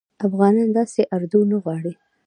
افغانان داسي اردوه نه غواړي